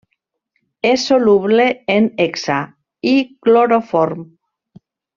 És soluble en hexà i cloroform.